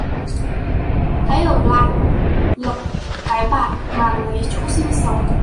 Hãy ở lại lập cái bản mà lấy chỗ sinh sống